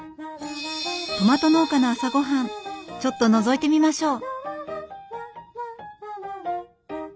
トマト農家の朝ごはんちょっとのぞいてみましょう。